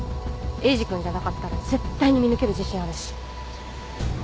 エイジ君じゃなかったら絶対に見抜ける自信あるし。